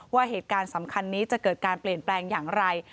ว่าเหตุการณ์สำคัญนี้จะเกิดการเปลี่ยนแปลงอย่างไร